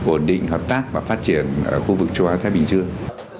ổn định hợp tác và phát triển ở khu vực châu á thái bình dương